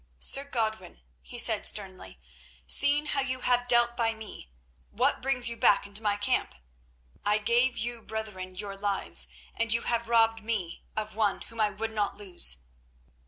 "Sir Godwin," he said sternly, "seeing how you have dealt by me, what brings you back into my camp? I gave you brethren your lives, and you have robbed me of one whom I would not lose."